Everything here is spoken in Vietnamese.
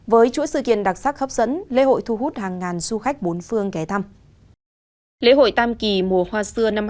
với chuỗi sự kiện đặc sắc hấp dẫn lễ hội thu hút hàng ngàn du khách bốn phương kẻ thăm